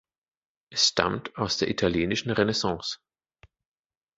Es stammt aus der italienischen Renaissance.